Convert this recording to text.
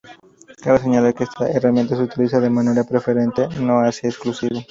Cabe señalar, que esta "herramienta" se utiliza de manera preferente, no así exclusiva.